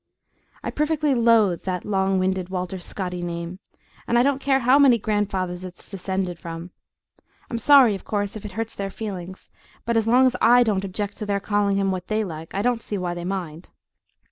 I perfectly loathe that long winded Walter Scotty name, and I don't care how many grandfathers it's descended from. I'm sorry, of course, if it hurts their feelings, but as long as I don't object to their calling him what THEY like, I don't see why they mind.